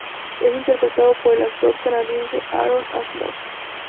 Es interpretado por el actor canadiense Aaron Ashmore.